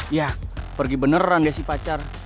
ya pergi beneran deh si pacar